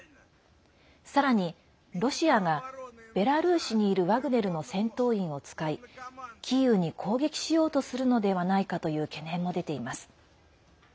さらにロシアがベラルーシにいるワグネルの戦闘員を使いキーウに攻撃しようとするのではないかという懸念も出ています。